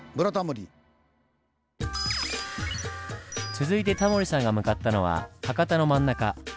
続いてタモリさんが向かったのは博多の真ん中。